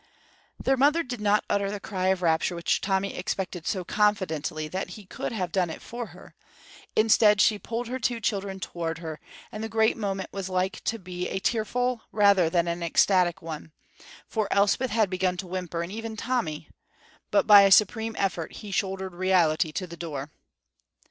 Their mother did not utter the cry of rapture which Tommy expected so confidently that he could have done it for her; instead, she pulled her two children toward her, and the great moment was like to be a tearful rather than an ecstatic one, for Elspeth had begun to whimper, and even Tommy but by a supreme effort he shouldered reality to the door.